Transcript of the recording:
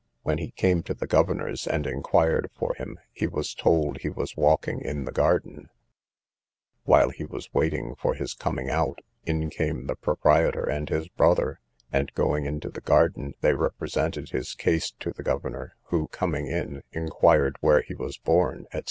When he came to the governor's and inquired for him, he was told he was walking in the garden; while he was waiting for his coming out, in came the proprietor and his brother; and, going into the garden, they represented his case to the governor, who, coming in, inquired where he was born, &c.